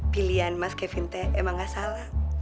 pilihan mas kevin teh emang gak salah